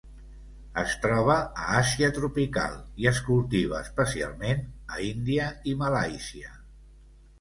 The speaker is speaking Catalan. Es troba a Àsia tropical i es cultiva especialment a Índia i Malàisia.